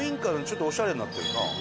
ちょっとオシャレになってるな。